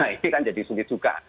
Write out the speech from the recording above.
nah ini kan jadi sulit juga